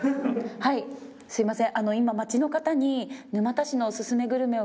☎はいすいません